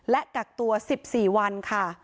และกักตัว๑๔วันค่ะ